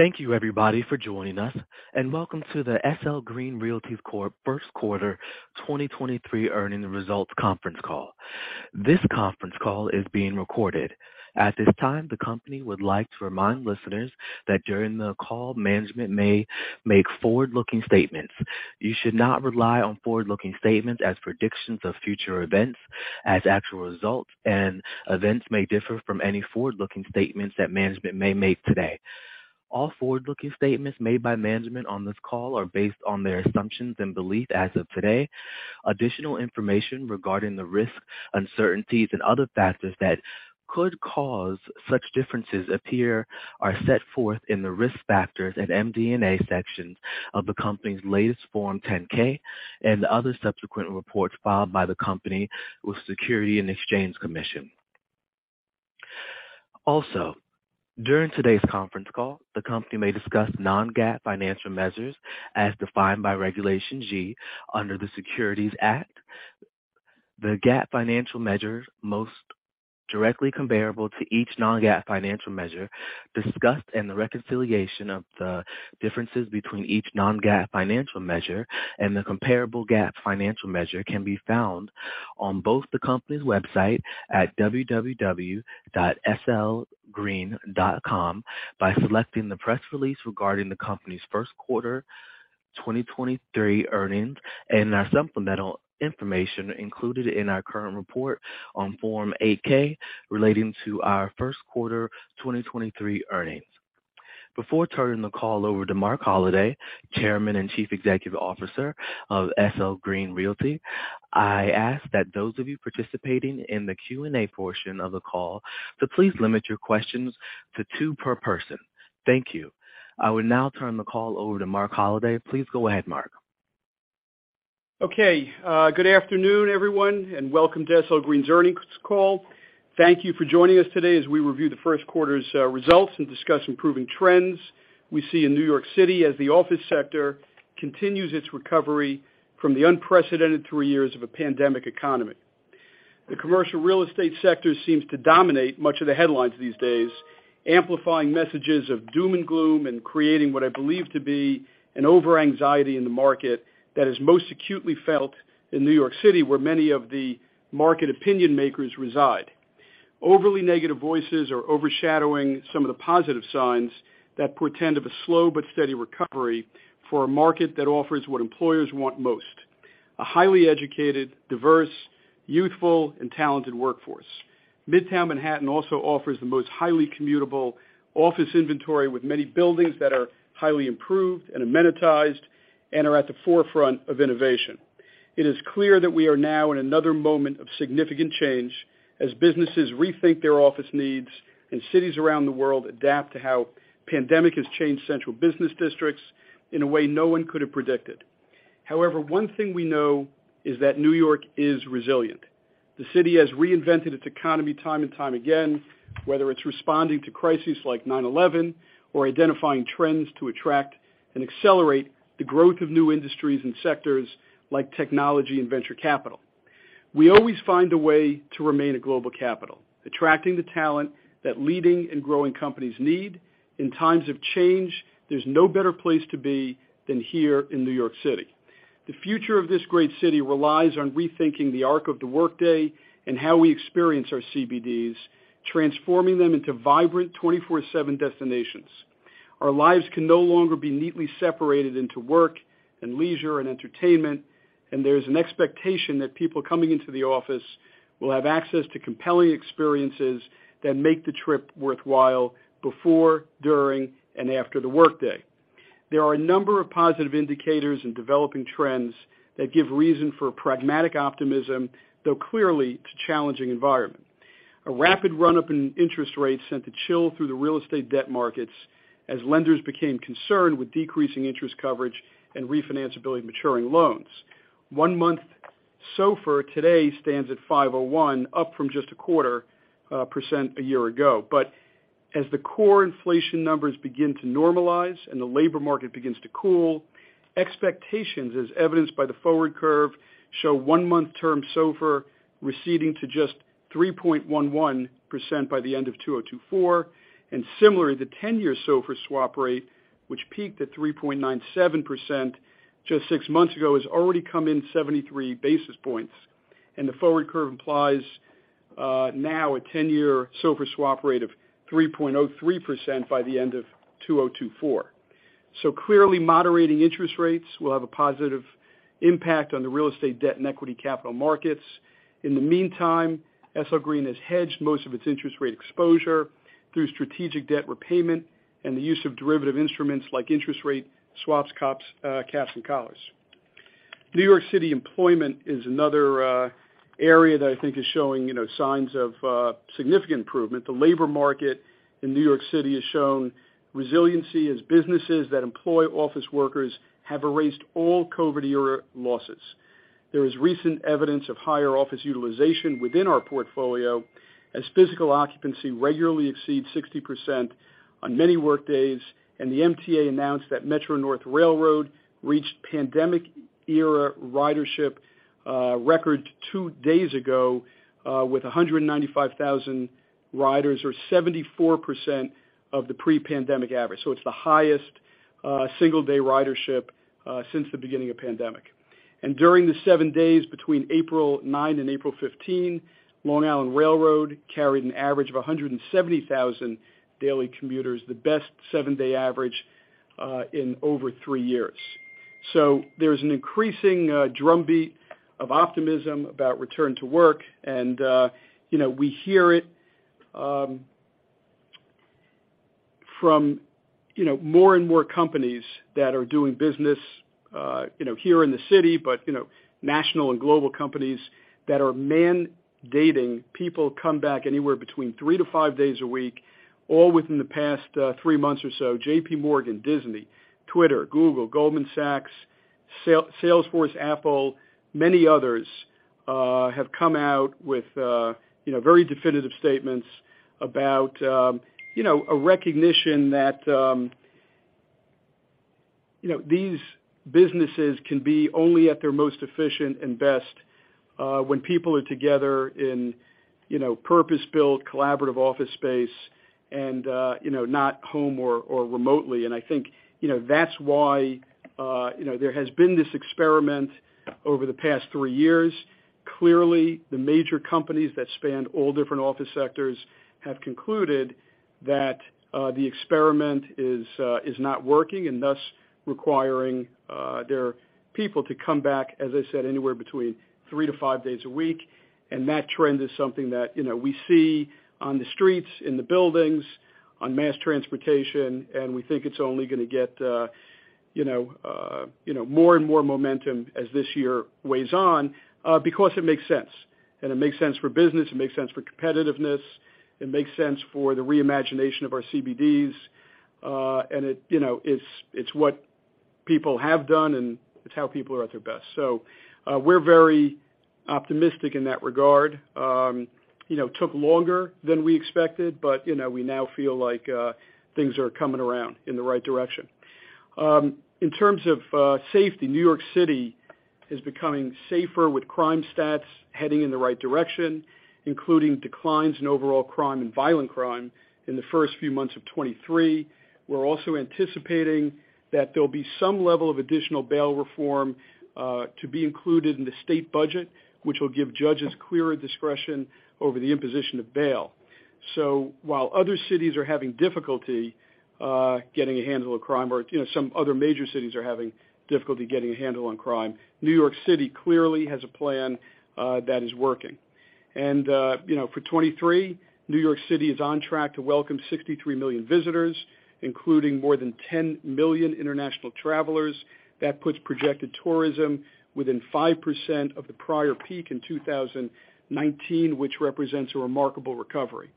Thank you everybody for joining us, and welcome to the SL Green Realty Corp. first quarter 2023 earnings results conference call. This conference call is being recorded. At this time, the company would like to remind listeners that during the call management may make forward-looking statements. You should not rely on forward-looking statements as predictions of future events as actual results, and events may differ from any forward-looking statements that management may make today. All forward-looking statements made by management on this call are based on their assumptions and belief as of today. Additional information regarding the risks, uncertainties and other factors that could cause such differences appear are set forth in the Risk Factors and MD&A sections of the company's latest Form 10-K and other subsequent reports filed by the company with Securities and Exchange Commission. Also, during today's conference call, the company may discuss non-GAAP financial measures as defined by Regulation G under the Securities Act. The GAAP financial measures most directly comparable to each non-GAAP financial measure discussed and the reconciliation of the differences between each non-GAAP financial measure and the comparable GAAP financial measure can be found on both the company's website at www.slgreen.com by selecting the press release regarding the company's first quarter 2023 earnings and our supplemental information included in our current report on Form 8-K relating to our first quarter 2023 earnings. Before turning the call over to Marc Holliday, Chairman and Chief Executive Officer of SL Green Realty, I ask that those of you participating in the Q&A portion of the call to please limit your questions to two per person. Thank you. I will now turn the call over to Marc Holliday. Please go ahead, Marc. Good afternoon, everyone, and welcome to SL Green's earnings call. Thank Thank you for joining us today as we review the first quarter's results and discuss improving trends we see in New York City as the office sector continues its recovery from the unprecedented three years of a pandemic economy. The commercial real estate sector seems to dominate much of the headlines these days, amplifying messages of doom and gloom and creating what I believe to be an over anxiety in the market that is most acutely felt in New York City, where many of the market opinion makers reside. Overly negative voices are overshadowing some of the positive signs that portend of a slow but steady recovery for a market that offers what employers want most, a highly educated, diverse, youthful and talented workforce. Midtown Manhattan also offers the most highly commutable office inventory, with many buildings that are highly improved and amenitized and are at the forefront of innovation. It is clear that we are now in another moment of significant change as businesses rethink their office needs and cities around the world adapt to how pandemic has changed central business districts in a way no one could have predicted. One thing we know is that New York is resilient. The city has reinvented its economy time and time again, whether it's responding to crises like 9/11, or identifying trends to attract and accelerate the growth of new industries and sectors like technology and venture capital. We always find a way to remain a global capital, attracting the talent that leading and growing companies need. In times of change, there's no better place to be than here in New York City. The future of this great city relies on rethinking the arc of the workday and how we experience our CBDs, transforming them into vibrant 24/7 destinations. There's an expectation that people coming into the office will have access to compelling experiences that make the trip worthwhile before, during and after the workday. Our lives can no longer be neatly separated into work and leisure and entertainment. There are a number of positive indicators and developing trends that give reason for pragmatic optimism, though clearly it's a challenging environment. A rapid run-up in interest rates sent a chill through the real estate debt markets as lenders became concerned with decreasing interest coverage and refinance ability of maturing loans. 1 month SOFR today stands at 5.01, up from just 0.25% a year ago. As the core inflation numbers begin to normalize and the labor market begins to cool, expectations, as evidenced by the forward curve, show one-month term SOFR receding to just 3.11% by the end of 2024. Similarly, the 10-year SOFR swap rate, which peaked at 3.97% just six months ago, has already come in 73 basis points, and the forward curve implies now a 10-year SOFR swap rate of 3.03% by the end of 2024. Clearly moderating interest rates will have a positive impact on the real estate debt and equity capital markets. In the meantime, SL Green has hedged most of its interest rate exposure through strategic debt repayment and the use of derivative instruments like interest rate swaps, caps and collars. New York City employment is another area that I think is showing, you know, signs of significant improvement. The labor market in New York City has shown resiliency as businesses that employ office workers have erased all COVID era losses. There is recent evidence of higher office utilization within our portfolio as physical occupancy regularly exceeds 60% on many work days, and the MTA announced that Metro-North Railroad reached pandemic era ridership record two days ago with 195,000 riders, or 74% of the pre-pandemic average. It's the highest single-day ridership since the beginning of pandemic. During the seven days between April 9th and April 15th, Long Island Rail Road carried an average of 170,000 daily commuters, the best seven-day average in over three years. There's an increasing drumbeat of optimism about return to work. We hear it, you know, from, you know, more and more companies that are doing business, you know, here in the city, but, you know, national and global companies that are mandating people come back anywhere between three to five days a week, all within the past three months or so. JPMorgan, Disney, Twitter, Google, Goldman Sachs, Salesforce, Apple, many others have come out with, you know, very definitive statements about, you know, a recognition that, you know, these businesses can be only at their most efficient and best when people are together in, you know, purpose-built, collaborative office space and, you know, not home or remotely. I think, you know, that's why, you know, there has been this experiment over the past three years. Clearly, the major companies that span all different office sectors have concluded that the experiment is not working and thus requiring their people to come back, as I said, anywhere between three to five days a week. That trend is something that, you know, we see on the streets, in the buildings, on mass transportation, and we think it's only gonna get, you know, you know, more and more momentum as this year weighs on, because it makes sense. It makes sense for business, it makes sense for competitiveness, it makes sense for the reimagination of our CBDs, and it, you know, it's what people have done, and it's how people are at their best. We're very optimistic in that regard. You know, took longer than we expected, but, you know, we now feel like things are coming around in the right direction. In terms of safety, New York City is becoming safer with crime stats heading in the right direction, including declines in overall crime and violent crime in the first few months of 23. We're also anticipating that there'll be some level of additional bail reform to be included in the state budget, which will give judges clearer discretion over the imposition of bail. While other cities are having difficulty getting a handle on crime or, you know, some other major cities are having difficulty getting a handle on crime, New York City clearly has a plan that is working. You know, for 23, New York City is on track to welcome 63 million visitors, including more than 10 million international travelers. That puts projected tourism within 5% of the prior peak in 2019, which represents a remarkable recovery.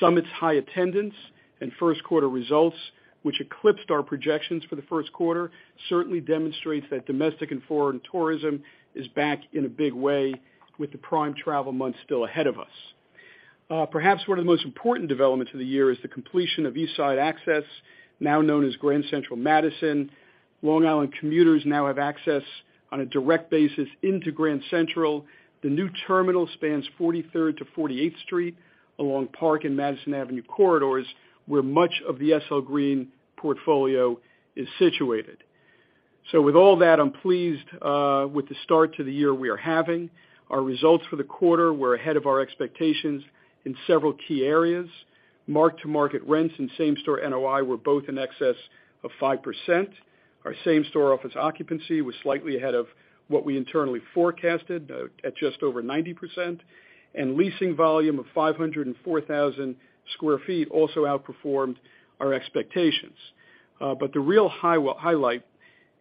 SUMMIT's high attendance and first quarter results, which eclipsed our projections for the first quarter, certainly demonstrates that domestic and foreign tourism is back in a big way with the prime travel months still ahead of us. Perhaps one of the most important developments of the year is the completion of East Side Access, now known as Grand Central Madison. Long Island commuters now have access on a direct basis into Grand Central. The new terminal spans 43rd to 48th Street along Park and Madison Avenue corridors, where much of the SL Green portfolio is situated. With all that, I'm pleased with the start to the year we are having. Our results for the quarter were ahead of our expectations in several key areas. mark-to-market rents and same-store NOI were both in excess of 5%. Our same-store office occupancy was slightly ahead of what we internally forecasted at just over 90%. Leasing volume of 504,000 sq ft also outperformed our expectations. The real highlight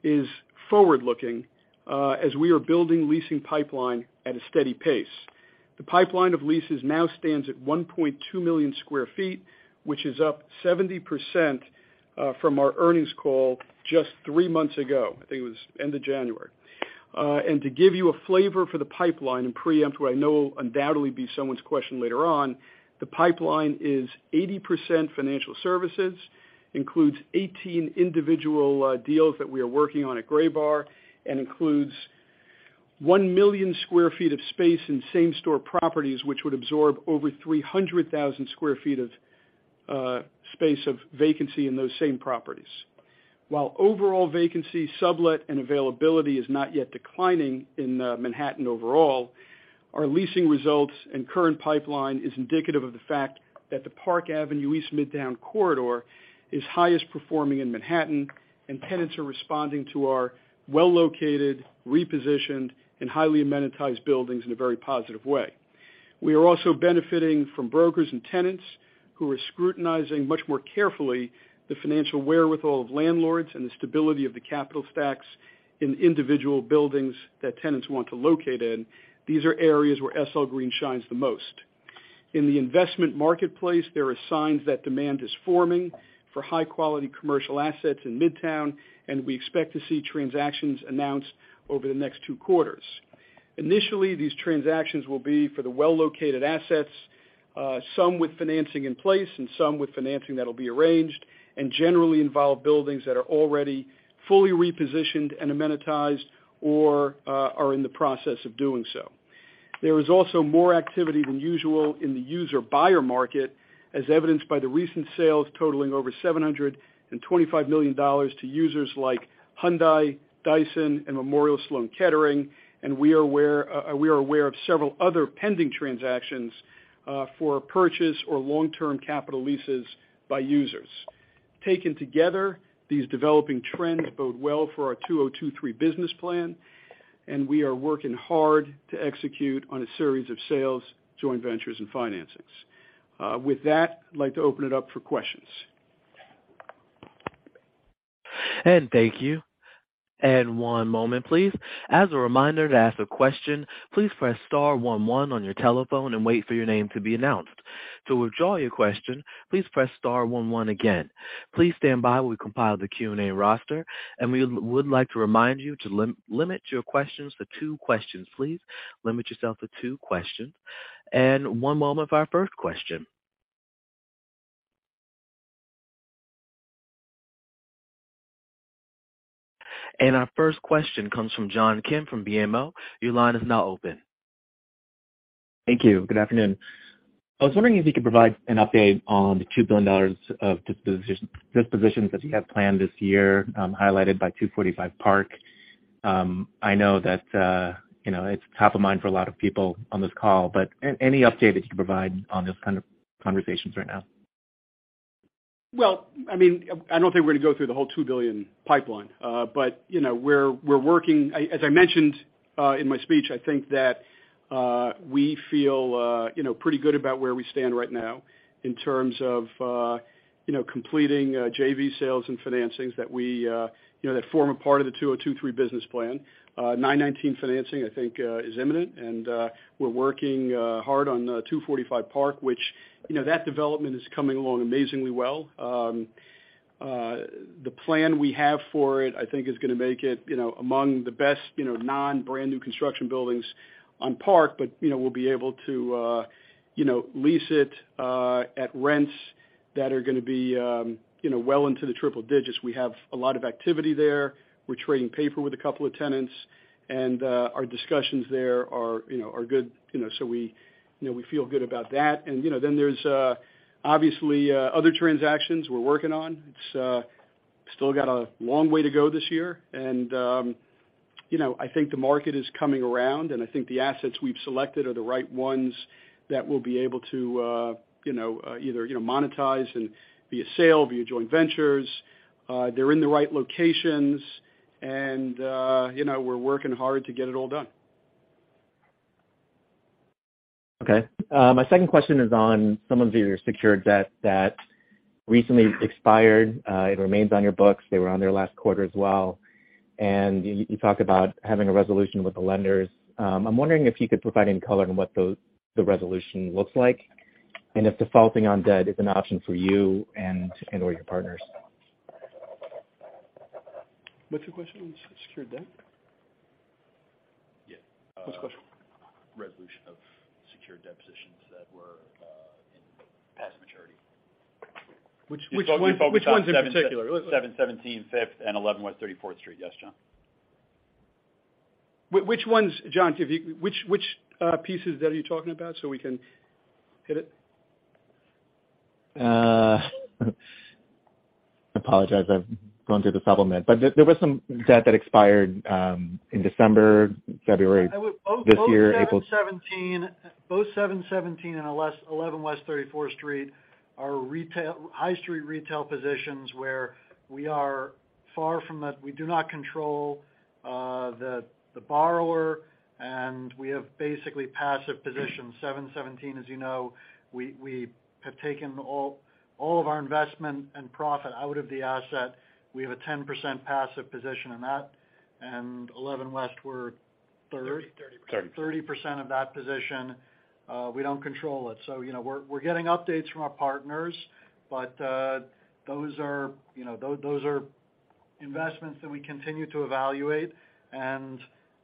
is forward-looking as we are building leasing pipeline at a steady pace. The pipeline of leases now stands at 1.2 million sq ft, which is up 70% from our earnings call just three months ago. I think it was end of January. And to give you a flavor for the pipeline and preempt what I know will undoubtedly be someone's question later on, the pipeline is 80% financial services, includes 18 individual deals that we are working on at Graybar, and includes 1 million sq ft of space in same-store properties, which would absorb over 300,000 sq ft of space of vacancy in those same properties. While overall vacancy sublet and availability is not yet declining in Manhattan overall, our leasing results and current pipeline is indicative of the fact that the Park Avenue East Midtown corridor is highest performing in Manhattan, and tenants are responding to our well-located, repositioned, and highly amenitized buildings in a very positive way. We are also benefiting from brokers and tenants who are scrutinizing much more carefully the financial wherewithal of landlords and the stability of the capital stacks in individual buildings that tenants want to locate in. These are areas where SL Green shines the most. In the investment marketplace, there are signs that demand is forming for high-quality commercial assets in Midtown, and we expect to see transactions announced over the next two quarters. Initially, these transactions will be for the well-located assets, some with financing in place and some with financing that will be arranged and generally involve buildings that are already fully repositioned and amenitized or are in the process of doing so. There is also more activity than usual in the user buyer market, as evidenced by the recent sales totaling over $725 million to users like Hyundai, Dyson, and Memorial Sloan Kettering. We are aware of several other pending transactions for purchase or long-term capital leases by users. Taken together, these developing trends bode well for our 2023 business plan. We are working hard to execute on a series of sales, joint ventures, and financings. With that, I'd like to open it up for questions. Thank you. One moment please. As a reminder, to ask a question, please press star one one on your telephone and wait for your name to be announced. To withdraw your question, please press star one one again. Please stand by while we compile the Q&A roster. We would like to remind you to limit your questions to two questions, please. Limit yourself to two questions. One moment for our first question. Our first question comes from John Kim from BMO. Your line is now open. Thank you. Good afternoon. I was wondering if you could provide an update on the $2 billion of dispositions that you have planned this year, highlighted by 245 Park. I know that, you know, it's top of mind for a lot of people on this call, but any update that you can provide on those kind of conversations right now? Well, I mean, I don't think we're gonna go through the whole $2 billion pipeline. You know, I, as I mentioned, in my speech, I think that, we feel, you know, pretty good about where we stand right now in terms of, you know, completing, JV sales and financings that we, you know, that form a part of the 2023 business plan. 919 financing, I think, is imminent, we're working hard on 245 Park, which, you know, that development is coming along amazingly well. The plan we have for it, I think is gonna make it, you know, among the best, you know, non-brand new construction buildings on Park. You know, we'll be able to, you know, lease it at rents that are gonna be, you know, well into the triple digits. We have a lot of activity there. We're trading paper with a couple of tenants. Our discussions there are, you know, are good. You know, we, you know, we feel good about that. You know, then there's obviously other transactions we're working on. It's still got a long way to go this year. You know, I think the market is coming around, and I think the assets we've selected are the right ones that will be able to, you know, either, you know, monetize and be a sale, be a joint ventures. They're in the right locations and, you know, we're working hard to get it all done. Okay. My second question is on some of your secured debt that recently expired. It remains on your books. They were on their last quarter as well. You talk about having a resolution with the lenders. I'm wondering if you could provide any color on what the resolution looks like, and if defaulting on debt is an option for you and/or your partners? What's the question? Secured debt? Yeah. What's the question? Resolution of secured debt positions that were in past maturity. Which ones in particular? 717 Fifth, and 11 West 34th Street. Yes, John. Which ones, John, which pieces are you talking about so we can hit it? I apologize. I've gone through the supplement. There was some debt that expired in December, February this year, April. Both 717 and 11 West 34th Street are high street retail positions where we are far from that. We do not control the borrower, and we have basically passive positions. 717, as you know, we have taken all of our investment and profit out of the asset. We have a 10% passive position in that, and 11 West, we're thirty- 30%. 30% of that position. We don't control it. You know, we're getting updates from our partners, but those are, you know, those are investments that we continue to evaluate. You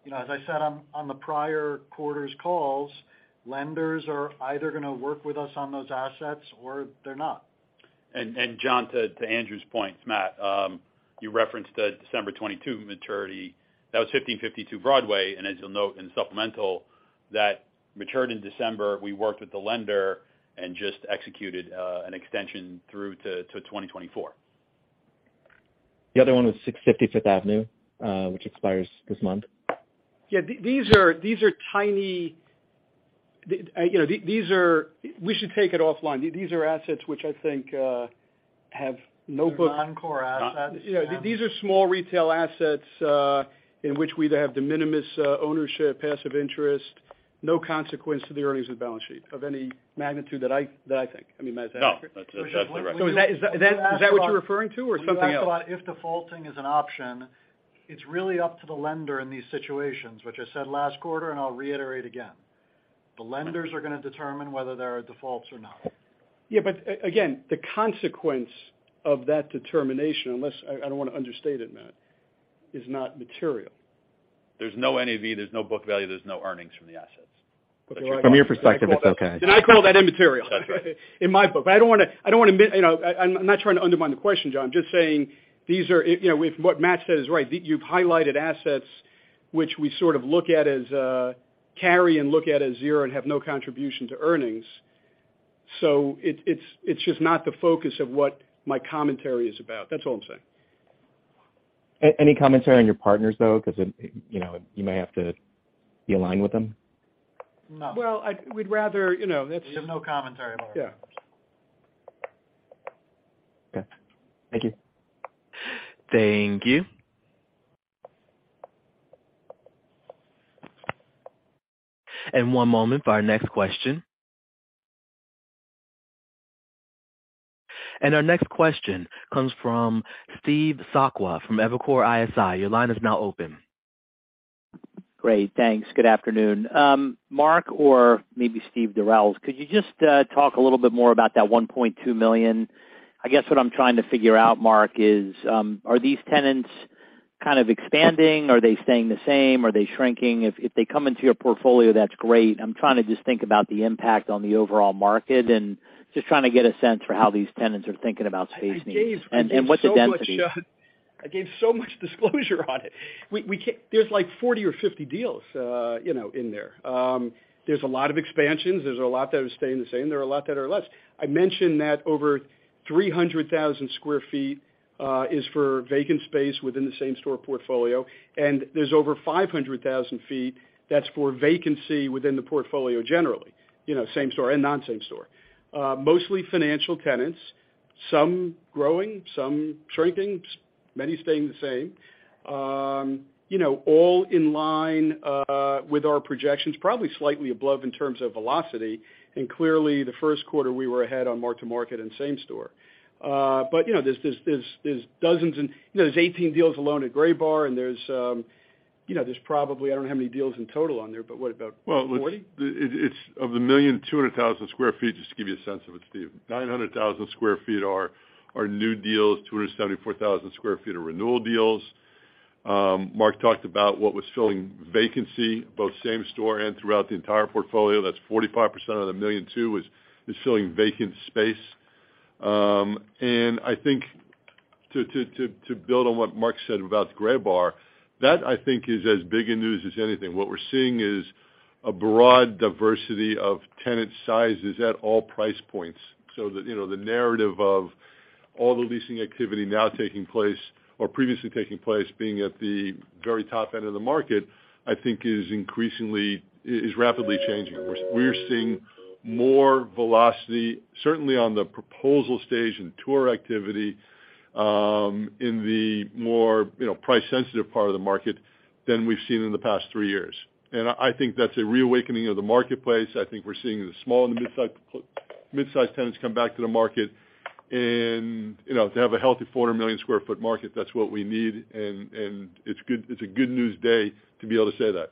know, as I said on the prior quarters calls, lenders are either gonna work with us on those assets or they're not. John, to Andrew's point, Matt, you referenced the December 2022 maturity. That was 1552 Broadway, and as you'll note in supplemental, that matured in December. We worked with the lender and just executed an extension through to 2024. The other one was 655 Fifth Avenue, which expires this month. Yeah. These are tiny... You know, we should take it offline. These are assets which I think have no book- They're non-core assets. Yeah. These are small retail assets, in which we either have de minimis, ownership, passive interest, no consequence to the earnings of the balance sheet of any magnitude that I, that I think. I mean, Matt, is that accurate? No. That's the right-. Is that what you're referring to or something else? When you asked about if defaulting is an option. It's really up to the lender in these situations, which I said last quarter, and I'll reiterate again. The lenders are gonna determine whether there are defaults or not. Yeah, again, the consequence of that determination, I don't wanna understate it, Matt, is not material. There's no NAV, there's no book value, there's no earnings from the assets. From your perspective, it's okay. I call that immaterial in my book. You know, I'm not trying to undermine the question, John. I'm just saying these are, you know, if what Matt said is right, you've highlighted assets which we sort of look at as carry and look at as zero and have no contribution to earnings. It's just not the focus of what my commentary is about. That's all I'm saying. Any commentary on your partners, though, 'cause it, you know, you may have to be aligned with them? No. Well, we'd rather, you know, that's... We have no commentary on our partners. Yeah. Okay. Thank you. Thank you. One moment for our next question. Our next question comes from Steve Sakwa from Evercore ISI. Your line is now open. Great, thanks. Good afternoon. Mark or maybe Steven Durels, could you just talk a little bit more about that 1.2 million? I guess what I'm trying to figure out, Mark, is, are these tenants kind of expanding? Are they staying the same? Are they shrinking? If, if they come into your portfolio, that's great. I'm trying to just think about the impact on the overall market and just trying to get a sense for how these tenants are thinking about space needs and what the density is. I gave so much disclosure on it. There's like 40 or 50 deals, you know, in there. There's a lot of expansions, there's a lot that are staying the same, there are a lot that are less. I mentioned that over 300,000 sq ft is for vacant space within the same-store portfolio, and there's over 500,000 feet that's for vacancy within the portfolio generally, you know, same-store and non-same-store. Mostly financial tenants, some growing, some shrinking, many staying the same. you know, all in line with our projections, probably slightly above in terms of velocity. Clearly, the first quarter we were ahead on mark-to-market and same-store. you know, there's dozens and... You know, there's 18 deals alone at Graybar and you know, I don't have any deals in total on there, but what about 40? Well, look, it's, of the 1,200,000 square feet, just to give you a sense of it, Steve, 900,000 square feet are new deals, 274,000 square feet are renewal deals. Marc talked about what was filling vacancy, both same-store and throughout the entire portfolio. That's 45% of the 1,200,000 is filling vacant space. I think to build on what Marc said about Graybar, that I think is as big a news as anything. What we're seeing is a broad diversity of tenant sizes at all price points. The, you know, the narrative of all the leasing activity now taking place or previously taking place being at the very top end of the market, I think is rapidly changing. We're seeing more velocity, certainly on the proposal stage and tour activity, in the more, you know, price-sensitive part of the market than we've seen in the past three years. I think that's a reawakening of the marketplace. I think we're seeing the small and the mid-sized tenants come back to the market and, you know, to have a healthy 400 million square foot market. That's what we need, and it's a good news day to be able to say that.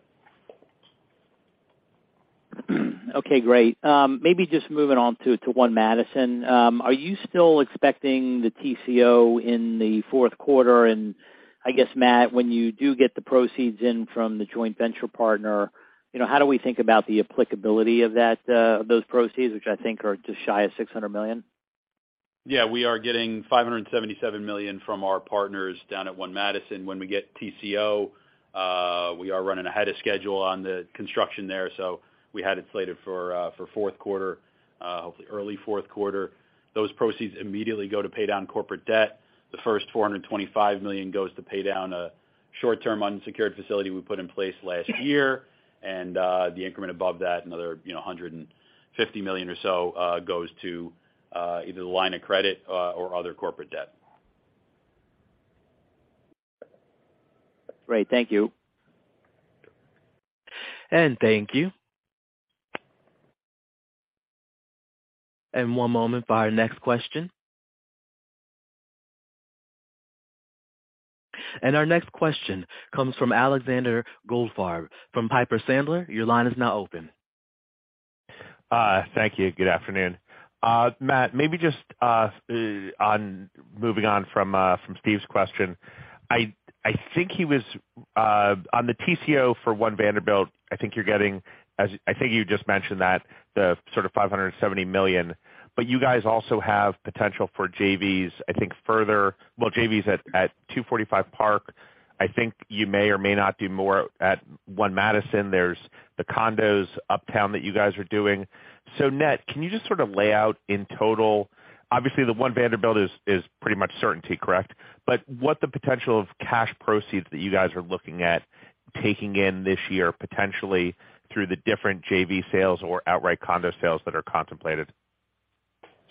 Okay, great. Maybe just moving on to One Madison. Are you still expecting the TCO in the fourth quarter? I guess, Matt, when you do get the proceeds in from the joint venture partner, you know, how do we think about the applicability of that, those proceeds, which I think are just shy of $600 million? Yeah. We are getting $577 million from our partners down at One Madison. When we get TCO, we are running ahead of schedule on the construction there, so we had it slated for fourth quarter, hopefully early fourth quarter. Those proceeds immediately go to pay down corporate debt. The first $425 million goes to pay down a short-term unsecured facility we put in place last year. The increment above that, another, you know, $150 million or so, goes to either the line of credit or other corporate debt. Great. Thank you. Thank you. One moment for our next question. Our next question comes from Alexander Goldfarb from Piper Sandler. Your line is now open. Thank you. Good afternoon. Matt, maybe just moving on from Steve's question. I think he was on the TCO for One Vanderbilt, I think you just mentioned that the sort of $570 million, but you guys also have potential for JVs, I think, further. Well, JVs at 245 Park. I think you may or may not do more at One Madison. There's the condos uptown that you guys are doing. Net, can you just sort of lay out in total? Obviously, the SUMMIT One Vanderbilt is pretty much certainty, correct? What the potential of cash proceeds that you guys are looking at taking in this year, potentially through the different JV sales or outright condo sales that are contemplated.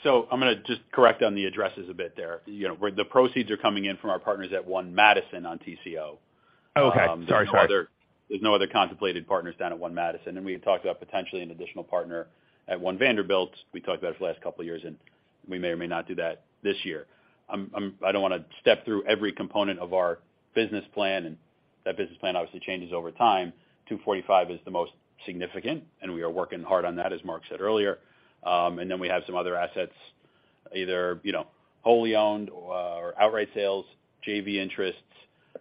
I'm gonna just correct on the addresses a bit there. You know, where the proceeds are coming in from our partners at One Madison on TCO. Okay. Sorry, sorry. There's no other contemplated partners down at One Madison, and we had talked about potentially an additional partner at One Vanderbilt. We talked about it for the last couple of years, and we may or may not do that this year. I don't wanna step through every component of our business plan, and that business plan obviously changes over time. 245 is the most significant, and we are working hard on that, as Mark said earlier. Then we have some other assets, either, you know, wholly owned or outright sales, JV interests,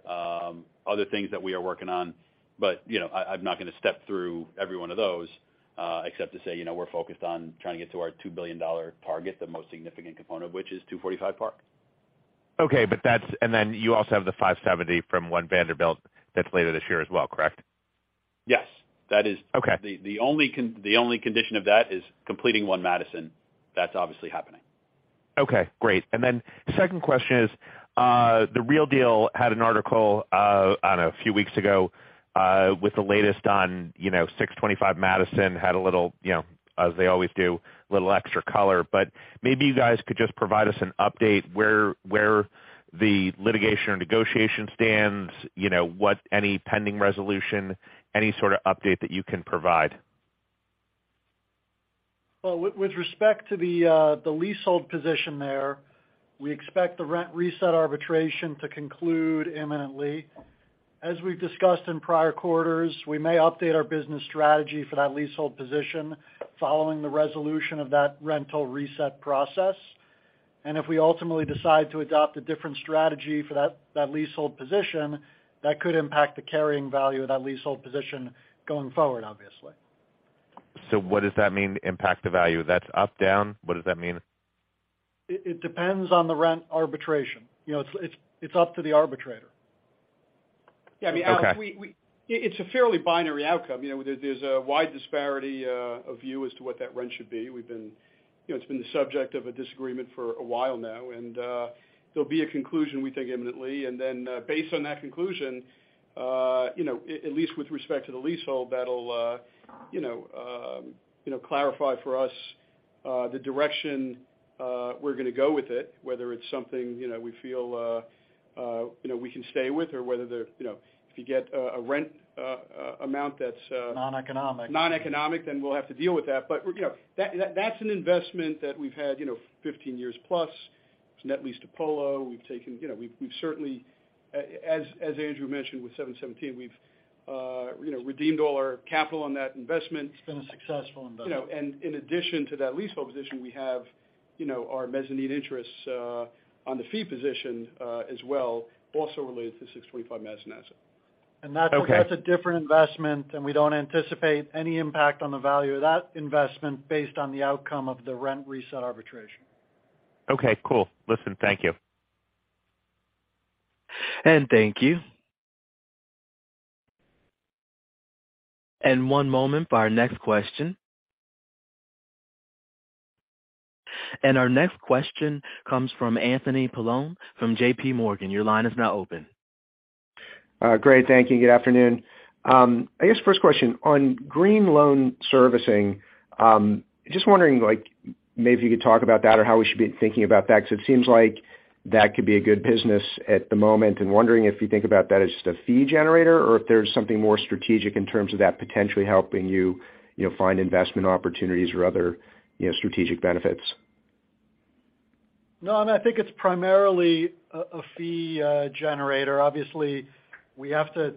other things that we are working on. You know, I'm not gonna step through every one of those, except to say, you know, we're focused on trying to get to our $2 billion target, the most significant component of which is 245 Park. You also have the $570 from One Vanderbilt that's later this year as well, correct? Yes. That is- Okay. The only condition of that is completing One Madison. That's obviously happening. Okay, great. Then the second question is, The Real Deal had an article, I don't know, a few weeks ago, with the latest on, you know, 625 Madison had a little, you know, as they always do, a little extra color. Maybe you guys could just provide us an update where the litigation or negotiation stands. You know, what any pending resolution, any sort of update that you can provide. Well, with respect to the leasehold position there, we expect the rent reset arbitration to conclude imminently. As we've discussed in prior quarters, we may update our business strategy for that leasehold position following the resolution of that rental reset process. If we ultimately decide to adopt a different strategy for that leasehold position, that could impact the carrying value of that leasehold position going forward, obviously. What does that mean, impact the value? That's up, down? What does that mean? It depends on the rent arbitration. You know, it's up to the arbitrator. Yeah, I mean, Alex- Okay. We. It's a fairly binary outcome. You know, there's a wide disparity of view as to what that rent should be. You know, it's been the subject of a disagreement for a while now, and there'll be a conclusion, we think, imminently. Based on that conclusion, you know, at least with respect to the leasehold, that'll, you know, clarify for us the direction we're gonna go with it, whether it's something, you know, we feel, you know, we can stay with or whether there, you know, if you get a rent amount that's. Noneconomic. Noneconomic. We'll have to deal with that. You know, that's an investment that we've had, you know, 15 years plus. It's net leased to Polo. We've taken, you know, we've certainly As Anthony Paolone mentioned with 717, we've, you know, redeemed all our capital on that investment. It's been a successful investment. You know, in addition to that leasehold position, we have, you know, our mezzanine interests, on the fee position, as well, also related to 625 Madison asset. Okay. That's a different investment, and we don't anticipate any impact on the value of that investment based on the outcome of the rent reset arbitration. Okay, cool. Listen, thank you. Thank you. One moment for our next question. Our next question comes from Anthony Paolone from JPMorgan. Your line is now open. Great. Thank you. Good afternoon. I guess first question, on Green Loan Services, just wondering, like, maybe if you could talk about that or how we should be thinking about that, 'cause it seems like that could be a good business at the moment. Wondering if you think about that as just a fee generator or if there's something more strategic in terms of that potentially helping you know, find investment opportunities or other, you know, strategic benefits? No. I think it's primarily a fee generator. Obviously, we have to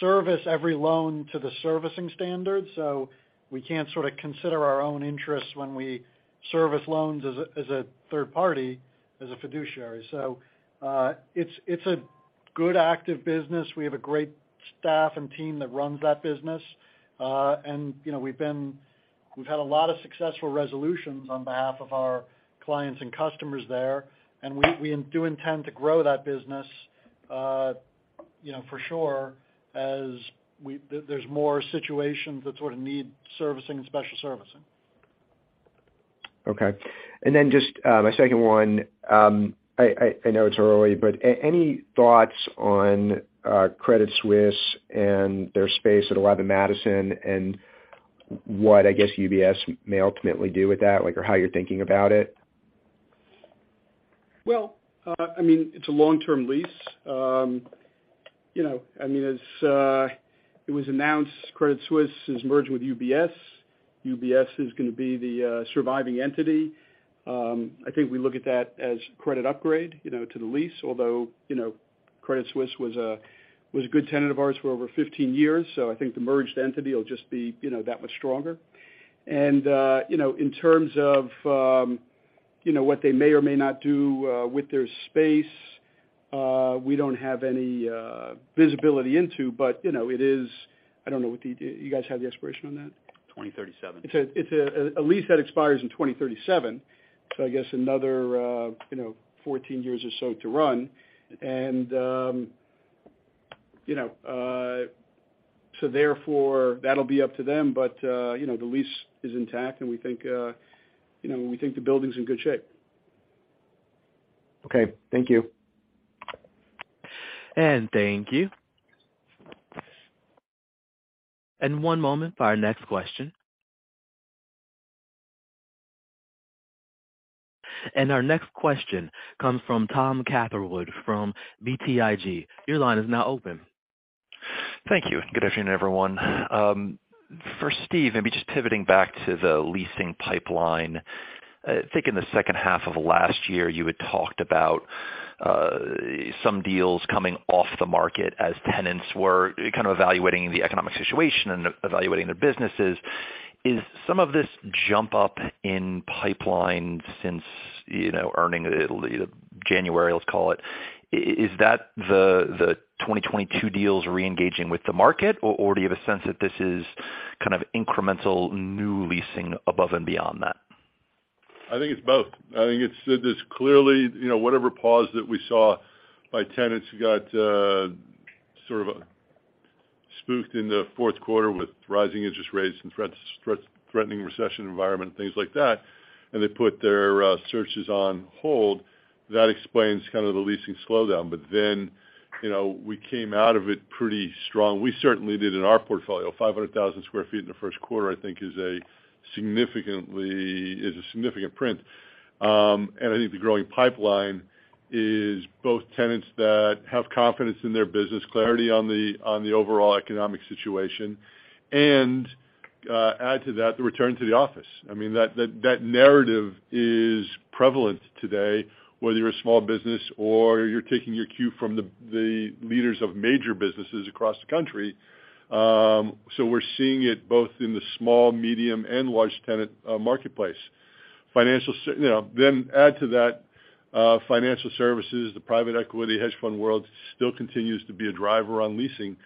service every loan to the servicing standards, so we can't sort of consider our own interests when we service loans as a third party, as a fiduciary. It's a good active business. We have a great staff and team that runs that business. You know, we've had a lot of successful resolutions on behalf of our clients and customers there, and we do intend to grow that business, you know, for sure as there's more situations that sort of need servicing and special servicing. Okay. Then just, my second one, I know it's early, any thoughts on Credit Suisse and their space at 11 Madison and what I guess UBS may ultimately do with that, like or how you're thinking about it? Well, I mean, it's a long-term lease. You know, I mean, as it was announced, Credit Suisse is merging with UBS. UBS is gonna be the surviving entity. I think we look at that as credit upgrade, you know, to the lease, although, you know, Credit Suisse was a good tenant of ours for over 15 years, so I think the merged entity will just be, you know, that much stronger. You know, in terms of, you know, what they may or may not do with their space, we don't have any visibility into, but, you know, it is. I don't know. Do you guys have the expiration on that? 2037. It's a lease that expires in 2037, so I guess another, you know, 14 years or so to run. You know, that'll be up to them. You know, the lease is intact, and we think, you know, we think the building's in good shape. Okay. Thank you. Thank you. One moment for our next question. Our next question comes from Tom Catherwood from BTIG. Your line is now open. Thank you. Good afternoon, everyone. For Steve, maybe just pivoting back to the leasing pipeline. I think in the second half of last year, you had talked about some deals coming off the market as tenants were kind of evaluating the economic situation and evaluating their businesses. Is some of this jump up in pipeline since, you know, earning January, let's call it, is that the 2022 deals reengaging with the market or do you have a sense that this is kind of incremental new leasing above and beyond that? I think it's both. I think there's clearly, you know, whatever pause that we saw by tenants who got sort of spooked in the fourth quarter with rising interest rates and threatening recession environment, things like that, and they put their searches on hold. That explains kind of the leasing slowdown. you know, we came out of it pretty strong. We certainly did in our portfolio, 500,000 sq ft in the first quarter, I think is a significant print. I think the growing pipeline is both tenants that have confidence in their business, clarity on the, on the overall economic situation, and add to that, the return to the office. I mean, that narrative is prevalent today, whether you're a small business or you're taking your cue from the leaders of major businesses across the country. We're seeing it both in the small, medium, and large tenant marketplace. Financial You know, add to that financial services, the private equity hedge fund world still continues to be a driver on leasing.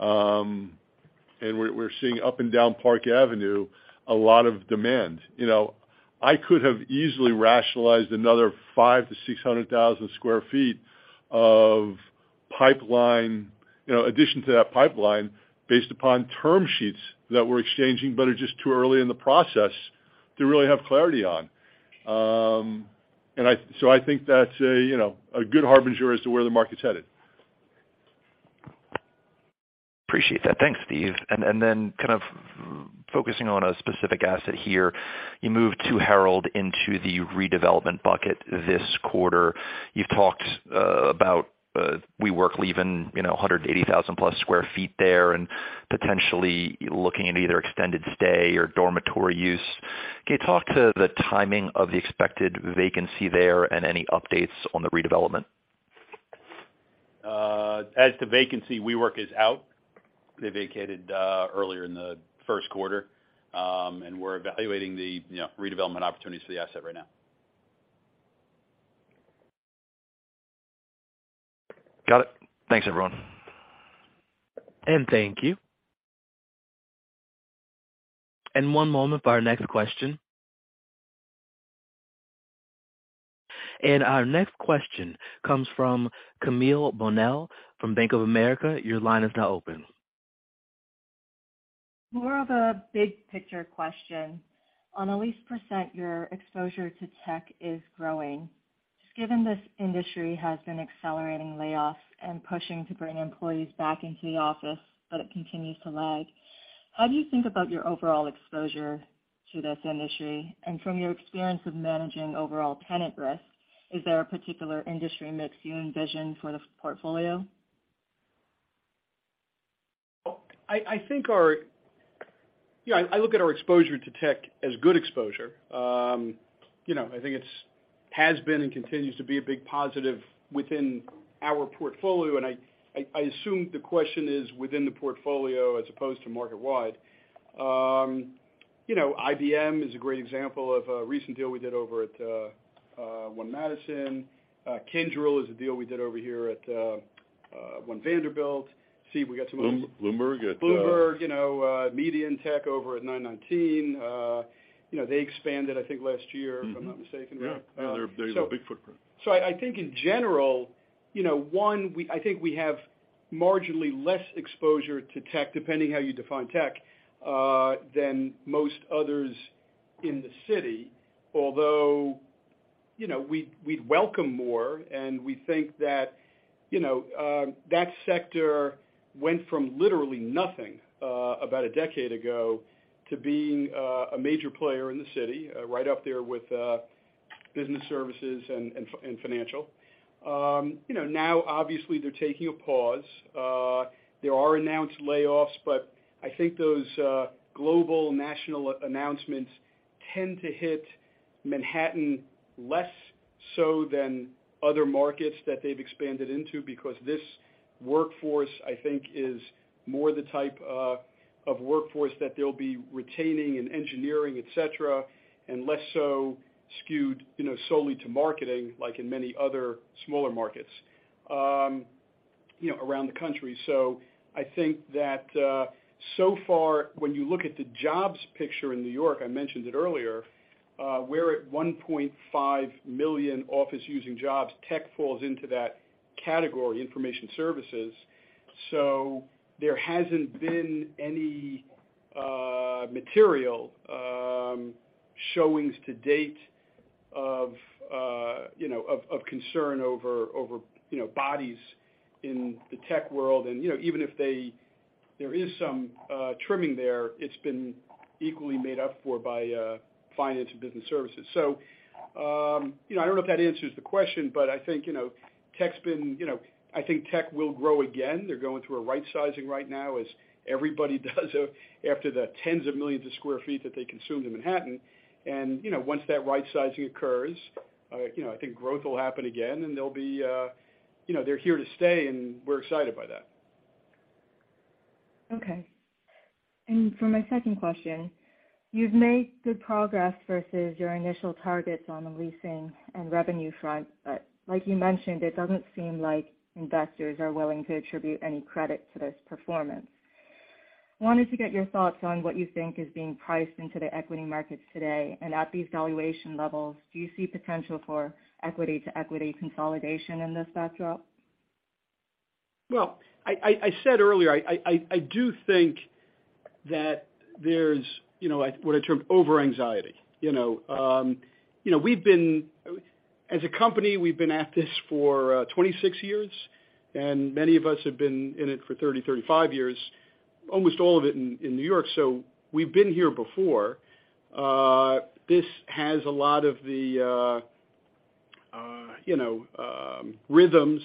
We're seeing up and down Park Avenue, a lot of demand. You know, I could have easily rationalized another 500,000-600,000 sq ft of pipeline, you know, addition to that pipeline based upon term sheets that we're exchanging, but are just too early in the process to really have clarity on. I think that's a, you know, a good harbinger as to where the market's headed. Appreciate that. Thanks, Steve. Then kind of focusing on a specific asset here, you moved 2 Herald Square into the redevelopment bucket this quarter. You've talked about WeWork leaving, you know, 180,000+ sq ft there and potentially looking at either extended stay or dormitory use. Can you talk to the timing of the expected vacancy there and any updates on the redevelopment? As to vacancy, WeWork is out. They vacated earlier in the first quarter, and we're evaluating the, you know, redevelopment opportunities for the asset right now. Got it. Thanks, everyone. Thank you. One moment for our next question. Our next question comes from Camille Bonnel from Bank of America. Your line is now open. More of a big picture question. On a lease %, your exposure to tech is growing. Just given this industry has been accelerating layoffs and pushing to bring employees back into the office, but it continues to lag. How do you think about your overall exposure to this industry? From your experience of managing overall tenant risk, is there a particular industry mix you envision for the portfolio? You know, I look at our exposure to tech as good exposure. You know, I think it's, has been and continues to be a big positive within our portfolio, and I assume the question is within the portfolio as opposed to market wide. You know, IBM is a great example of a recent deal we did over at One Madison. Kyndryl is a deal we did over here at One Vanderbilt. Steve, we got. Bloomberg at. Bloomberg, you know, media and tech over at 919. You know, they expanded, I think, last year... Mm-hmm If I'm not mistaken. Yeah. They have a big footprint. I think in general, you know, one, I think we have marginally less exposure to tech, depending how you define tech, than most others in the city. Although, you know, we'd welcome more, and we think that, you know, that sector went from literally nothing, about a decade ago, to being a major player in the city, right up there with business services and financial. You know, now, obviously, they're taking a pause. There are announced layoffs, but I think those global national announcements tend to hit Manhattan less so than other markets that they've expanded into because this workforce, I think, is more the type of workforce that they'll be retaining and engineering, et cetera, and less so skewed, you know, solely to marketing, like in many other smaller markets, you know, around the country. I think that so far, when you look at the jobs picture in New York, I mentioned it earlier, we're at 1.5 million office using jobs. Tech falls into that category, information services. There hasn't been any material showings to date of, you know, of concern over, you know, bodies in the tech world. you know, even if there is some trimming there, it's been equally made up for by finance and business services. you know, I don't know if that answers the question, but I think, you know, tech's been, you know, I think tech will grow again. They're going through a right sizing right now, as everybody does after the tens of millions of sq ft that they consume in Manhattan. you know, once that right sizing occurs, you know, I think growth will happen again and they'll be, you know, they're here to stay, and we're excited by that. Okay. For my second question, you've made good progress versus your initial targets on the leasing and revenue front, but like you mentioned, it doesn't seem like investors are willing to attribute any credit to this performance. Wanted to get your thoughts on what you think is being priced into the equity markets today, and at these valuation levels, do you see potential for equity to equity consolidation in this backdrop? Well, I said earlier, I do think that there's, you know, what I term over anxiety, you know? You know, As a company, we've been at this for 26 years, and many of us have been in it for 30, 35 years, almost all of it in New York. We've been here before. This has a lot of the, you know, rhythms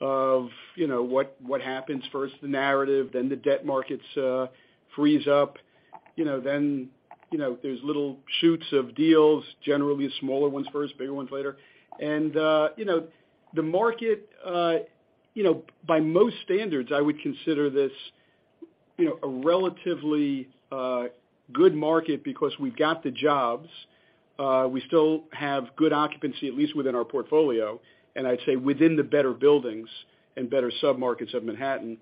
of, you know, what happens. First, the narrative, then the debt markets, freeze up. You know, then, you know, there's little shoots of deals, generally smaller ones first, bigger ones later. You know, the market, you know, by most standards, I would consider this, you know, a relatively good market because we've got the jobs. We still have good occupancy, at least within our portfolio, and I'd say within the better buildings and better submarkets of Manhattan.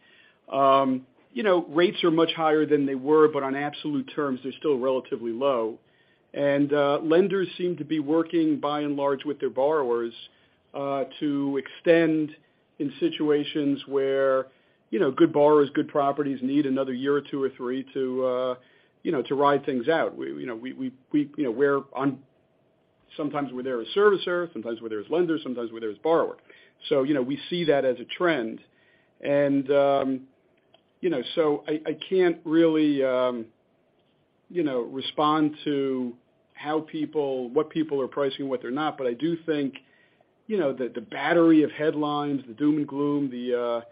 You know, rates are much higher than they were, but on absolute terms, they're still relatively low. Lenders seem to be working by and large with their borrowers to extend in situations where, you know, good borrowers, good properties need another year or two or three to, you know, to ride things out. We, you know, we, you know, sometimes we're there as servicer, sometimes we're there as lenders, sometimes we're there as borrower. You know, we see that as a trend. You know, so I can't really, you know, respond to what people are pricing, what they're not. I do think, you know, that the battery of headlines, the doom and gloom, the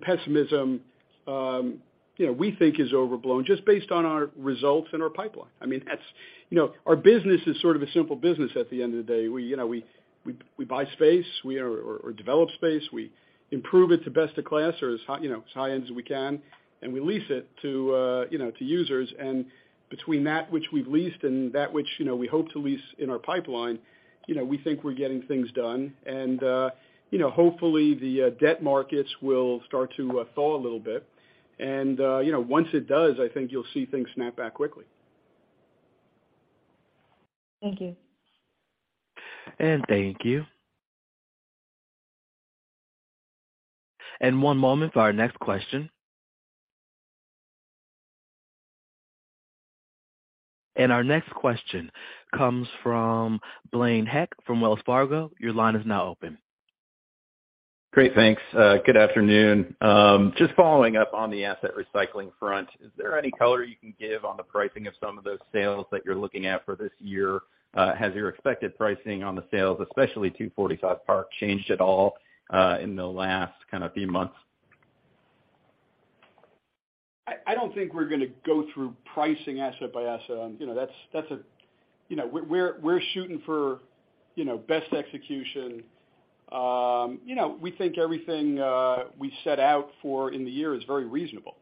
pessimism, you know, we think is overblown just based on our results and our pipeline. I mean, that's, you know, our business is sort of a simple business at the end of the day. We, you know, we buy space or develop space. We improve it to best of class or as high, you know, as high-end as we can, and we lease it to, you know, to users. Between that which we've leased and that which, you know, we hope to lease in our pipeline, you know, we think we're getting things done. You know, hopefully the debt markets will start to thaw a little bit. You know, once it does, I think you'll see things snap back quickly. Thank you. Thank you. One moment for our next question. Our next question comes from Blaine Heck from Wells Fargo. Your line is now open. Great. Thanks, good afternoon. Just following up on the asset recycling front, is there any color you can give on the pricing of some of those sales that you're looking at for this year? Has your expected pricing on the sales, especially 245 Park, changed at all in the last kind of few months? I don't think we're gonna go through pricing asset by asset. You know, we're shooting for, you know, best execution. You know, we think everything we set out for in the year is very reasonable.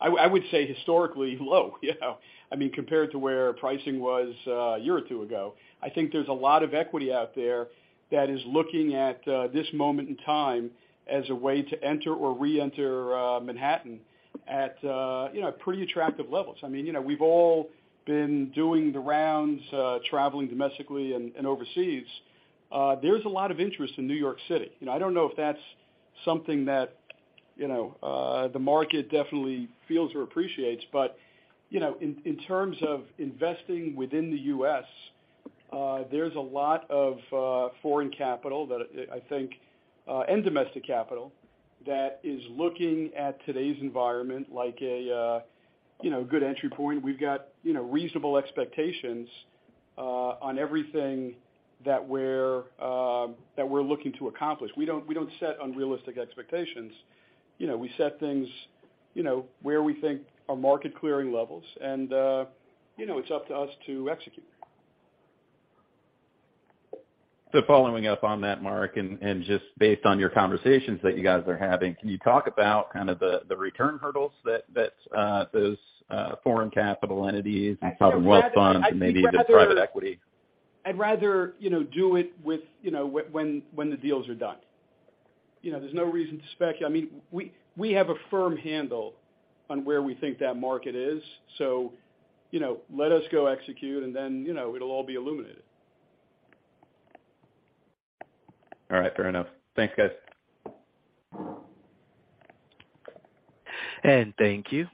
I would say historically low, you know? I mean, compared to where pricing was a year or two ago. I think there's a lot of equity out there that is looking at this moment in time as a way to enter or reenter Manhattan at, you know, pretty attractive levels. I mean, you know, we've all been doing the rounds, traveling domestically and overseas. There's a lot of interest in New York City. You know, I don't know if that's something that, you know, the market definitely feels or appreciates, but, you know, in terms of investing within the U.S., there's a lot of foreign capital that, I think, and domestic capital that is looking at today's environment like a, you know, good entry point. We've got, you know, reasonable expectations on everything that we're that we're looking to accomplish. We don't set unrealistic expectations. You know, we set things, you know, where we think are market clearing levels and, you know, it's up to us to execute. Following up on that, Mark, and just based on your conversations that you guys are having, can you talk about kind of the return hurdles that those foreign capital entities. Yeah, I'd rather- Sovereign wealth funds, and maybe even the private equity. I'd rather, you know, do it with, you know, when the deals are done. You know, there's no reason to spec-- I mean, we have a firm handle on where we think that market is. You know, let us go execute and then, you know, it'll all be illuminated. All right. Fair enough. Thanks, guys. Thank you.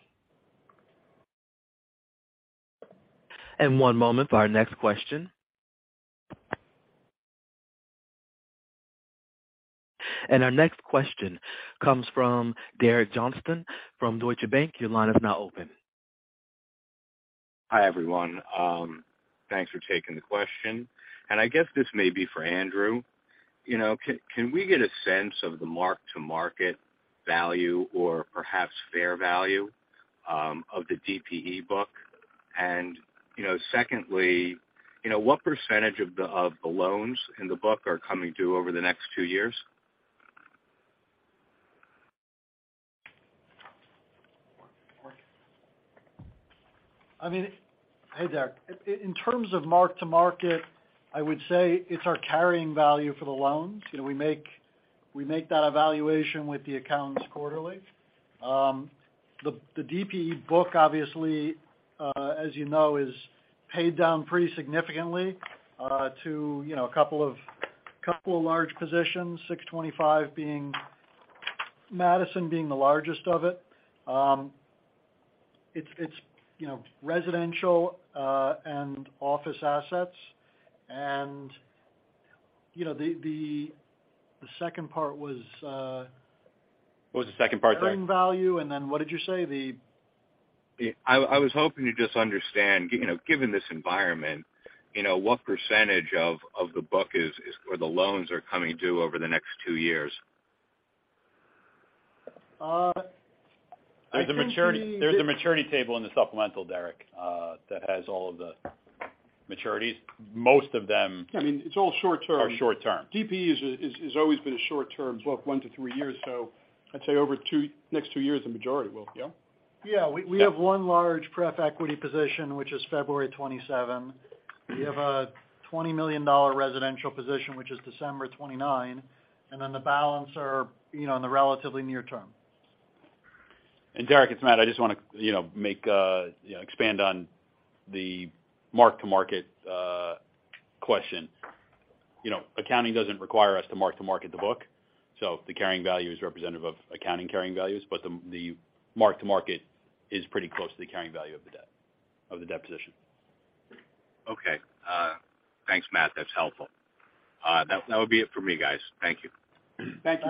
One moment for our next question. Our next question comes from Derek Johnston from Deutsche Bank. Your line is now open. Hi, everyone. Thanks for taking the question. I guess this may be for Andrew. You know, can we get a sense of the mark-to-market value or perhaps fair value of the DPE book? You know, secondly, you know, what percentage of the loans in the book are coming due over the next 2 years? I mean, Hey, Derek. In terms of mark-to-market, I would say it's our carrying value for the loans. You know, we make that evaluation with the accounts quarterly. The DPE book obviously, as you know, is paid down pretty significantly to, you know, a couple of large positions, 625 Madison being the largest of it. It's, you know, residential and office assets. You know, the second part was. What was the second part, sorry? Carrying value, and then what did you say? The... I was hoping to just understand, you know, given this environment, you know, what percentage of the book is or the loans are coming due over the next two years? I think. There's a maturity table in the supplemental, Derek, that has all of the maturities. I mean, it's all short-term. are short term. DPE is always been a short-term book, one to three years. I'd say next two years, the majority will. Yeah. Yeah. Yeah. We have one large pref equity position, which is February 27. We have a $20 million residential position, which is December 29. Then the balance are, you know, in the relatively near term. Derek, it's Matt. I just wanna, you know, make, you know, expand on the mark-to-market question. You know, accounting doesn't require us to mark to market to book, so the carrying value is representative of accounting carrying values, but the mark to market is pretty close to the carrying value of the debt position. Okay. Thanks, Matt. That's helpful. That would be it for me, guys. Thank you. Thank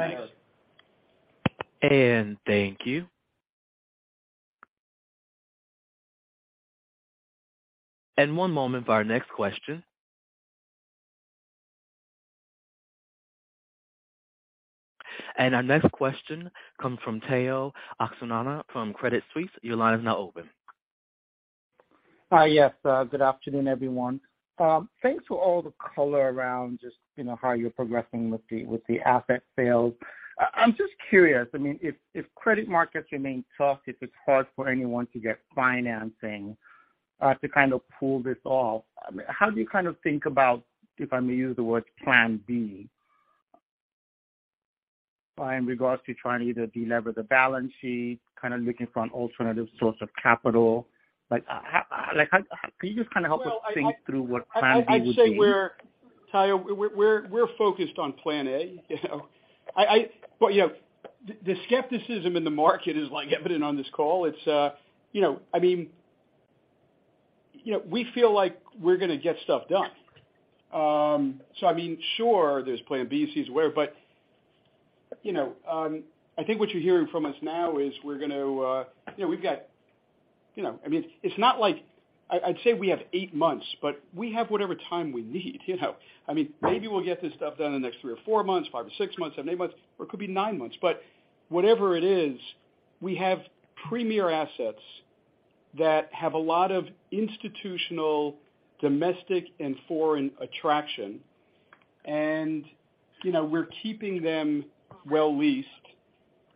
you. Thank you. One moment for our next question. Our next question comes from Tayo Okusanya from Credit Suisse. Your line is now open. Yes. Good afternoon, everyone. Thanks for all the color around just, you know, how you're progressing with the asset sales. I'm just curious, I mean, if credit markets remain tough, if it's hard for anyone to get financing to kind of pull this off, I mean, how do you kind of think about, if I may use the word plan B, in regards to trying to either delever the balance sheet, kind of looking for an alternative source of capital? Like, how can you just kinda help us? Well, I. think through what plan B would be? I'd say we're, Tayo, we're focused on plan A. Yeah, the skepticism in the market is, like, evident on this call. We feel like we're gonna get stuff done. I mean, sure, there's plan B, C is aware, you know. I think what you're hearing from us now is we're gonna, you know, we've got, you know. I mean, it's not like I'd say we have eight months, but we have whatever time we need, you know. I mean, maybe we'll get this stuff done in the next three or four months, five or six months, seven, eight months, or it could be nine months. Whatever it is, we have premier assets that have a lot of institutional, domestic, and foreign attraction. You know, we're keeping them well-leased.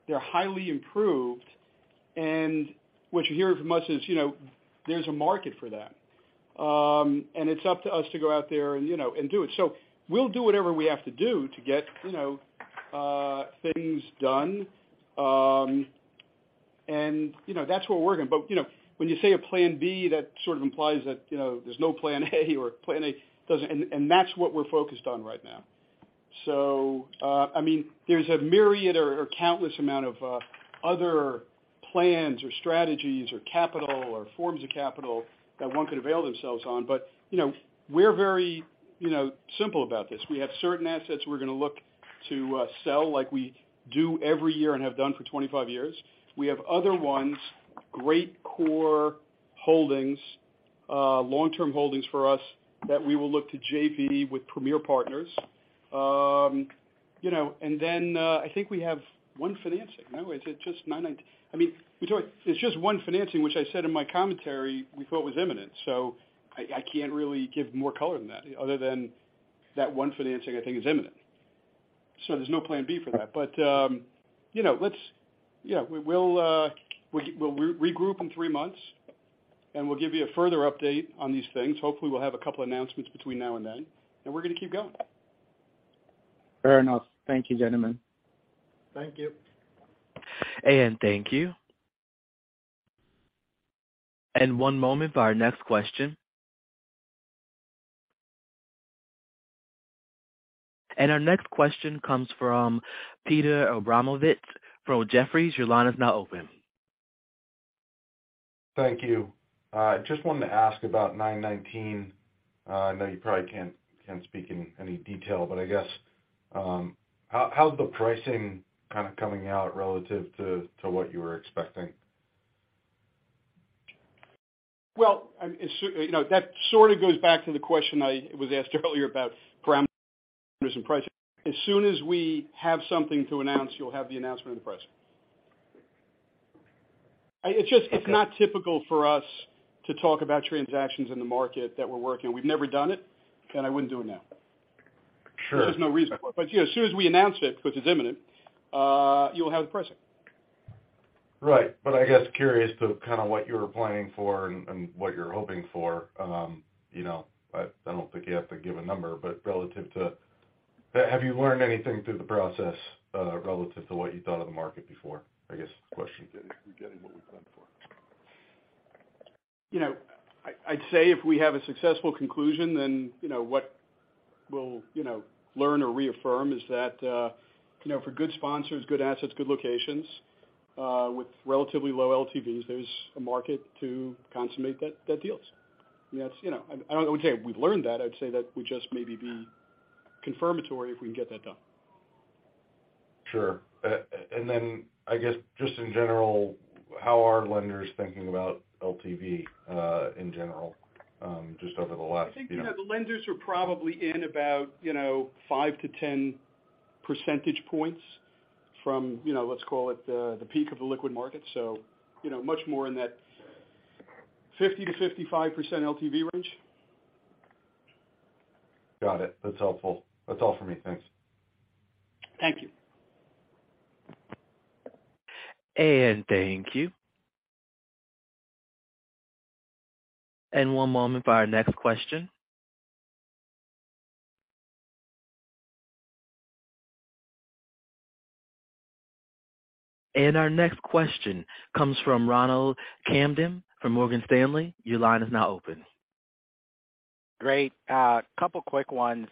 They're highly improved. What you're hearing from us is, you know, there's a market for that. It's up to us to go out there and, you know, and do it. We'll do whatever we have to do to get, you know, things done. You know, that's what we're. You know, when you say a plan B, that sort of implies that, you know, there's no plan A or plan A doesn't. That's what we're focused on right now. I mean, there's a myriad or countless amount of, other plans or strategies or capital or forms of capital that one could avail themselves on. You know, we're very, you know, simple about this. We have certain assets we're gonna look to sell like we do every year and have done for 25 years. We have other ones, great core holdings, long-term holdings for us that we will look to JV with premier partners. You know, I think we have 1 financing. No? Is it just 9? I mean, it's just 1 financing, which I said in my commentary we thought was imminent. I can't really give more color than that other than that 1 financing I think is imminent. There's no plan B for that. You know, let's. Yeah, we will regroup in 3 months, and we'll give you a further update on these things. Hopefully, we'll have a couple announcements between now and then, and we're gonna keep going. Fair enough. Thank you, gentlemen. Thank you. Thank you. One moment for our next question. Our next question comes from Peter Abramowitz from Jefferies. Your line is now open. Thank you. Just wanted to ask about 919. I know you probably can't speak in any detail, but I guess how's the pricing kind of coming out relative to what you were expecting? Well, you know, that sort of goes back to the question I was asked earlier about parameters and pricing. As soon as we have something to announce, you'll have the announcement and the pricing. Okay. It's just, it's not typical for us to talk about transactions in the market that we're working. We've never done it, and I wouldn't do it now. Sure. There's just no reason for it. You know, as soon as we announce it, which is imminent, you'll have the pricing. Right. I guess curious to kind of what you were planning for and what you're hoping for. You know, I don't think you have to give a number, but relative to... Have you learned anything through the process, relative to what you thought of the market before, I guess, is the question? You know, I'd say if we have a successful conclusion, you know, what we'll, you know, learn or reaffirm is that, you know, for good sponsors, good assets, good locations, with relatively low LTVs, there's a market to consummate that deals. That's, you know. I wouldn't say we've learned that, I'd say that would just maybe be confirmatory if we can get that done. Sure. I guess just in general, how are lenders thinking about LTV, in general, just over the last, you know... I think, you know, the lenders are probably in about, you know, 5 to 10 percentage points from, you know, let's call it the peak of the liquid market. You know, much more in that 50%-55% LTV range. Got it. That's helpful. That's all for me. Thanks. Thank you. Thank you. One moment for our next question. Our next question comes from Ronald Kamdem from Morgan Stanley. Your line is now open. Great. A couple quick ones.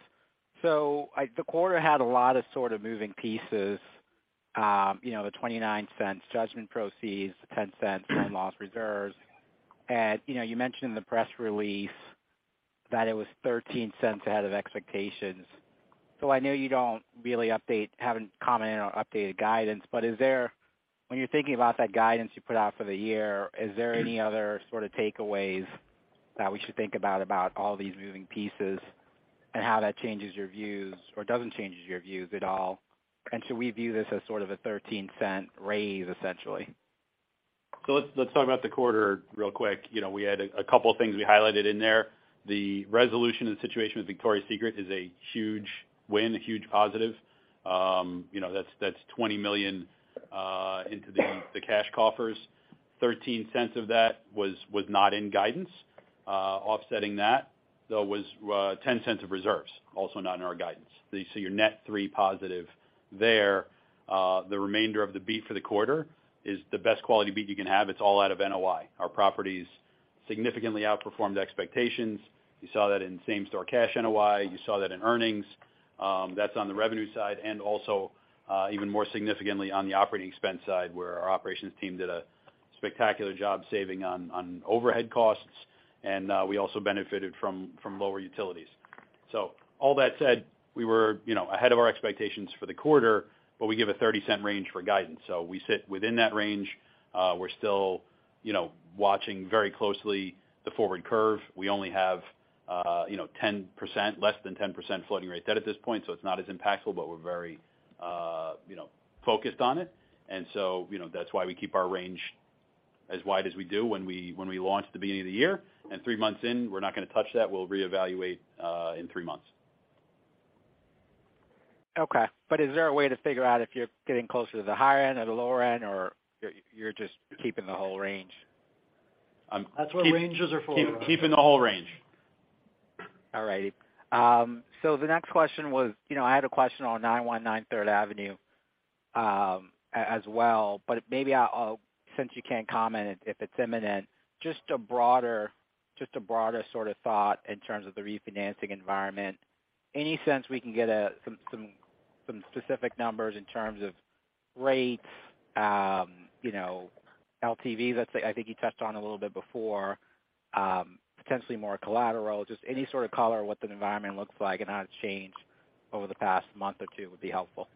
The quarter had a lot of sort of moving pieces. You know, the $0.29 judgment proceeds, the $0.10 in loss reserves. You know, you mentioned in the press release that it was $0.13 ahead of expectations. I know you don't really update, haven't commented on updated guidance, but when you're thinking about that guidance you put out for the year, is there any other sort of takeaways that we should think about all these moving pieces and how that changes your views or doesn't change your views at all? Should we view this as sort of a $0.13 raise essentially? Let's talk about the quarter real quick. You know, we had a couple things we highlighted in there. The resolution and situation with Victoria's Secret is a huge win, a huge positive. You know, that's $20 million into the cash coffers. $0.13 of that was not in guidance. Offsetting that though was $0.10 of reserves, also not in our guidance. You see your net 3 positive there. The remainder of the beat for the quarter is the best quality beat you can have. It's all out of NOI. Our properties significantly outperformed expectations. You saw that in same-store cash NOI. You saw that in earnings, that's on the revenue side, and also, even more significantly on the operating expense side, where our operations team did a spectacular job saving on overhead costs, and we also benefited from lower utilities. All that said, we were, you know, ahead of our expectations for the quarter, but we give a $0.30 range for guidance. We sit within that range. We're still, you know, watching very closely the forward curve. We only have, you know, 10%, less than 10% floating rate debt at this point, so it's not as impactful, but we're very, you know, focused on it. That's why we keep our range as wide as we do when we launched at the beginning of the year. Three months in, we're not gonna touch that. We'll reevaluate in 3 months. Okay. Is there a way to figure out if you're getting closer to the higher end or the lower end, or you're just keeping the whole range? Um- That's what ranges are for. Keeping the whole range. All righty. The next question was, you know, I had a question on 919 Third Avenue as well, but maybe I'll, since you can't comment if it's imminent, just a broader sort of thought in terms of the refinancing environment. Any sense we can get some specific numbers in terms of rates, you know, LTVs that's, I think you touched on a little bit before, potentially more collateral, just any sort of color what the environment looks like and how it's changed over the past month or two would be helpful.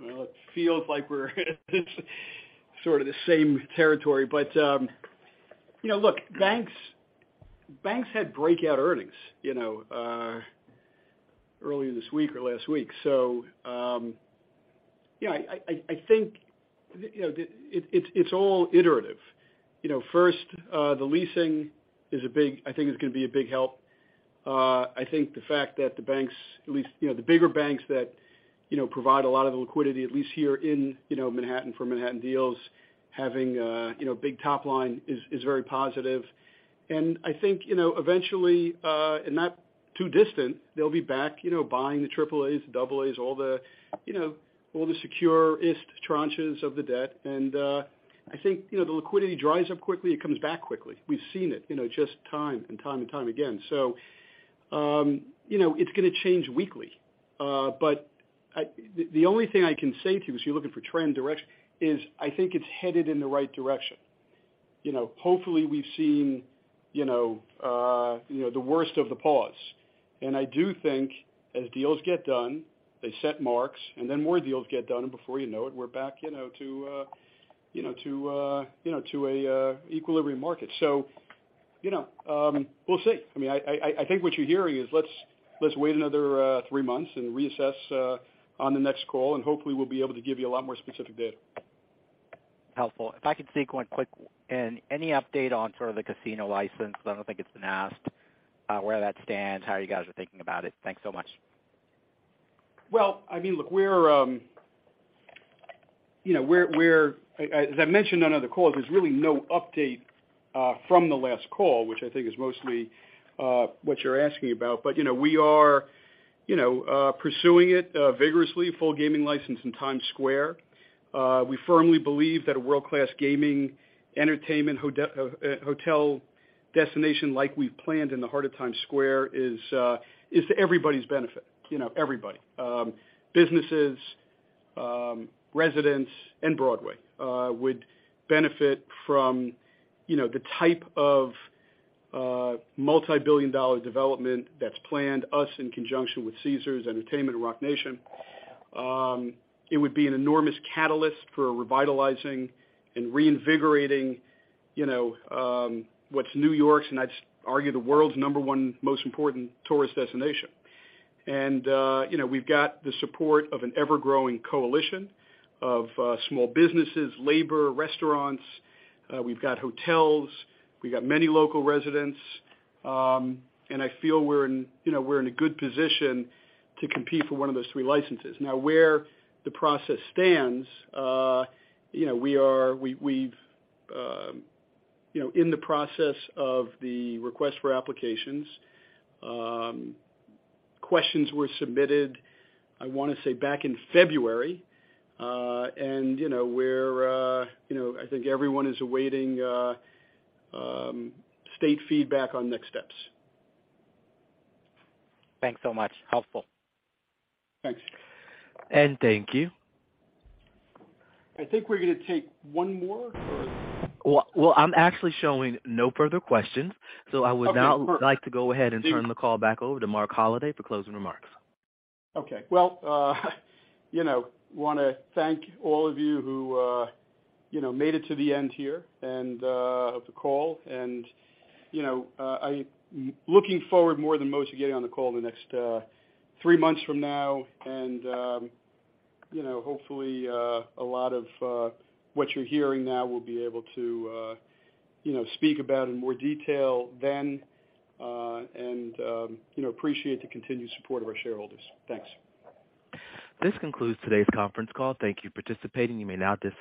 Well, it feels like we're sort of the same territory. You know, look, banks had breakout earnings, you know, earlier this week or last week. Yeah, I think, you know, it's all iterative. You know, first, the leasing is a big I think is gonna be a big help. I think the fact that the banks, at least, you know, the bigger banks that, you know, provide a lot of the liquidity, at least here in, you know, Manhattan for Manhattan deals, having, you know, big top line is very positive. I think, you know, eventually, and not too distant, they'll be back, you know, buying the Triple A's, Double A's, all the, you know, all the secure-est tranches of the debt. I think, you know, the liquidity dries up quickly, it comes back quickly. We've seen it, you know, just time and time again. You know, it's gonna change weekly, The only thing I can say to you is you're looking for trend direction is I think it's headed in the right direction. You know, hopefully, we've seen, you know, the worst of the pause. I do think as deals get done, they set marks, and then more deals get done, and before you know it, we're back, you know, to, you know, to, you know, to an equilibrium market. You know, we'll see. I mean, I think what you're hearing is let's wait another three months and reassess on the next call, and hopefully we'll be able to give you a lot more specific data. Helpful. If I could sequence quick. Any update on sort of the casino license? I don't think it's been asked, where that stands, how you guys are thinking about it. Thanks so much. Well, I mean, look, we're, you know, we're as I mentioned on other calls, there's really no update from the last call, which I think is mostly what you're asking about. You know, we are, you know, pursuing it vigorously, full gaming license in Times Square. We firmly believe that a world-class gaming entertainment hotel destination like we've planned in the heart of Times Square is everybody's benefit. You know, everybody. Businesses, residents and Broadway would benefit from, you know, the type of multi-billion dollar development that's planned, us in conjunction with Caesars Entertainment and Roc Nation. It would be an enormous catalyst for revitalizing and reinvigorating, you know, what's New York's and I'd argue the world's number one most important tourist destination. You know, we've got the support of an ever-growing coalition of small businesses, labor, restaurants. We've got hotels. We've got many local residents. I feel we're in, you know, we're in a good position to compete for one of those three licenses. Where the process stands, you know, we've, you know, in the process of the request for applications. Questions were submitted, I wanna say back in February. You know, we're, you know, I think everyone is awaiting state feedback on next steps. Thanks so much. Helpful. Thanks. Thank you. I think we're gonna take one more. Well, well, I'm actually showing no further questions. Okay, perfect. I would now like to go ahead and turn the call back over to Marc Holliday for closing remarks. Okay. Well, you know, wanna thank all of you who, you know, made it to the end here and of the call. You know, looking forward more than most to getting on the call the next three months from now. You know, hopefully, a lot of what you're hearing now we'll be able to, you know, speak about in more detail then. You know, appreciate the continued support of our shareholders. Thanks. This concludes today's conference call. Thank you for participating. You may now disconnect.